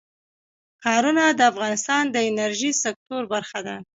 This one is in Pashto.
ښارونه د افغانستان د انرژۍ سکتور برخه ده.